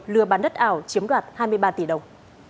lừa bán đất ảo chiếm đoạt hai mươi ba tỷ đồng